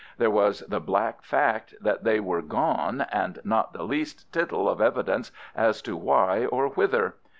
There was the black fact that they were gone, and not the least tittle of evidence as to why or whither.